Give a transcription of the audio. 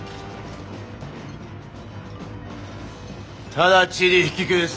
直ちに引き返す。